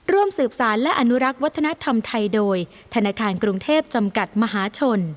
ร่วมสืบสารและอนุรักษ์วัฒนธรรมไทยโดยธนาคารกรุงเทพจำกัดมหาชน